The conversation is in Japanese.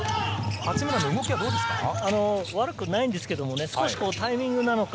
八村の動きは、どうですか？